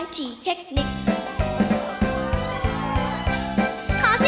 น้องเป็นซาวเทคนิคตาคมพมยาว